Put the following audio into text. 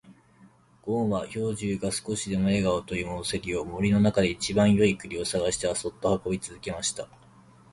ごんは兵十が少しでも笑顔を取り戻せるよう、森の中で一番よい栗を探してはそっと運び続けました。